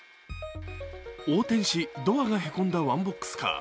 横転し、ドアがへこんだワンボックスカー。